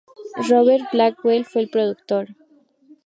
Robert Blackwell fue el productor.